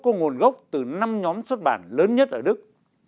có nguồn gốc từ năm nhóm xuất bản lớn nhất ở đức